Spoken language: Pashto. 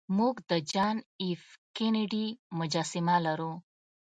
موږ د جان ایف کینیډي مجسمه لرو